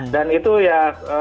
dan itu ya